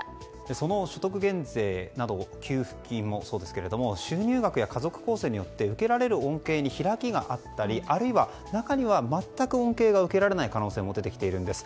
その所得減税や給付金もそうですが収入額や家族構成によって受けられる恩恵に開きがあったりあるいは、中には全く恩恵が受けられない可能性も出てきています。